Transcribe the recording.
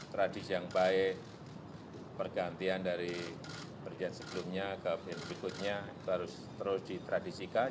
tradisi yang baik pergantian dari pergantian sebelumnya ke presiden berikutnya itu harus terus ditradisikan